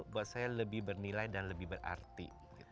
buat saya lebih bernilai dan lebih berarti